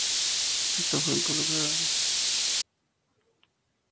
Esto fue impopular ya que algunos de los cruzados querían saquear la ciudad.